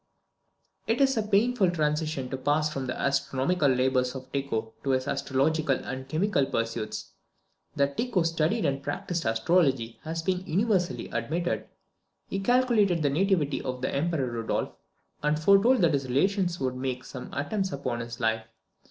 It is a painful transition to pass from the astronomical labours of Tycho to his astrological and chemical pursuits. That Tycho studied and practised astrology has been universally admitted. He calculated the nativity of the Emperor Rudolph, and foretold that his relations would make some attempts upon his life.